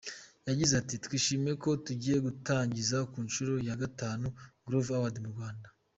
Yagize ati “Twishimiye ko tugiye gutangiza ku nshuro ya Gatanu, Groove Awards mu Rwanda.